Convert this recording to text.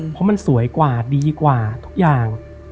เพราะมันสวยกว่าดีกว่าทุกอย่าง